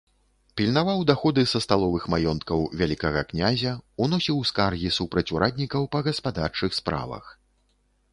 Пільнаваў даходы са сталовых маёнткаў вялікага князя, уносіў скаргі супраць ураднікаў па гаспадарчых справах.